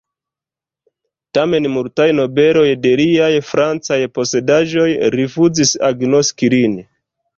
Tamen multaj nobeloj de liaj francaj posedaĵoj rifuzis agnoski lin.